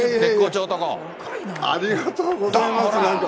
ありがとうございます、なんか。